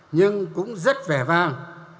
nhưng cũng rất vẻ vang